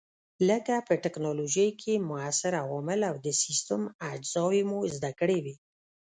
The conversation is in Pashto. لکه په ټېکنالوجۍ کې موثر عوامل او د سیسټم اجزاوې مو زده کړې وې.